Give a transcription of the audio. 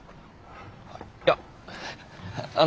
いやあの。